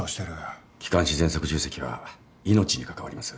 気管支ぜんそく重積は命に関わります。